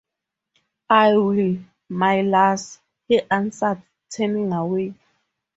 “I will, my lass,” he answered, turning away.